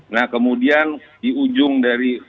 nah kemudian di ujung dari